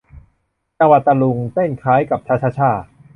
จังหวะตะลุง เต้นคล้ายกับชะชะช่า